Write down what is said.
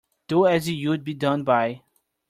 Do as you would be done by.